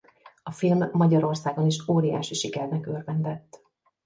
A film Magyarországon is óriási sikernek örvendett.